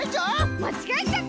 まちがえちゃった！